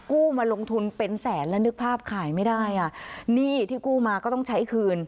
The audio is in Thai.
มาลงทุนเป็นแสนแล้วนึกภาพขายไม่ได้อ่ะหนี้ที่กู้มาก็ต้องใช้คืน